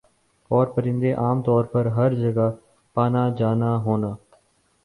اورپرندے عام طور پر ہَر جگہ پانا جانا ہونا